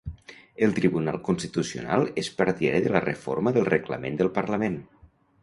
El Tribunal Constitucional és partidari de la reforma del reglament del parlament